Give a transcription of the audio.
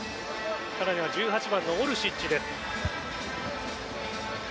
１８番のオルシッチです。